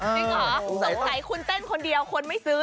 จริงเหรอตัวใส่คุณเดินเท่านั้นคนไม่ซื้อ